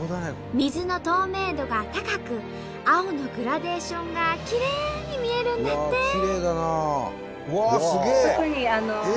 水の透明度が高く青のグラデーションがきれいに見えるんだって！